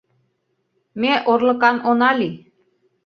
Ме орлыкан она лий.